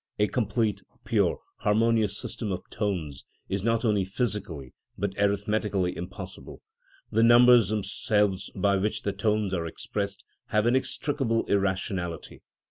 A complete, pure, harmonious system of tones is not only physically but arithmetically impossible. The numbers themselves by which the tones are expressed have inextricable irrationality.